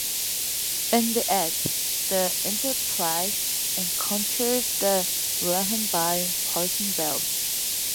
In the ad, the "Enterprise" encounters the "Rhombian Pollution Belt".